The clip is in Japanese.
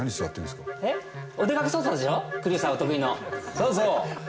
そうそう。